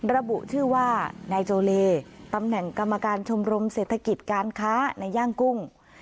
ระบุชื่อว่านายโจเลตำแหน่งกรรมการชมรมเศรษฐกิจการค้าในย่างกุ้ง